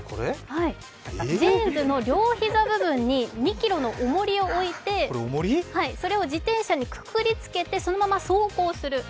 ジーンズの両膝部分に２ｋｇのおもりを置いてそれを自転車にくくりつけて、そのまま走行する。